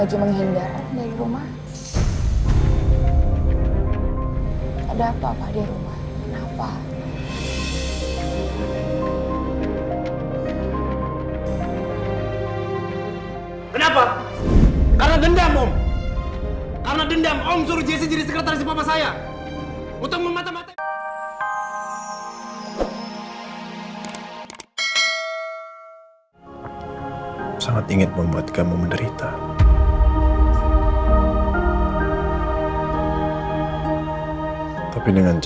cuma menghindar orang dari rumah